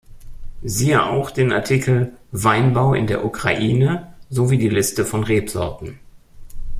Siehe auch den Artikel Weinbau in der Ukraine sowie die Liste von Rebsorten.